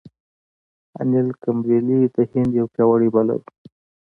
انیل کمبلې د هند یو پياوړی بالر وو.